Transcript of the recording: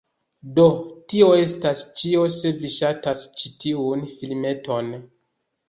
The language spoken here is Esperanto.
Do, tio estas ĉio se vi ŝatas ĉi tiun filmeton